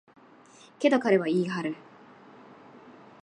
けど、彼は言い張る。